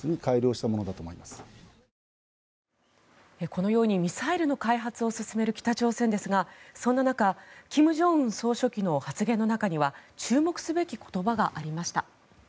このようにミサイルの開発を進める北朝鮮ですがそんな中金正恩総書記の発言の中には注目すべき言葉がありました。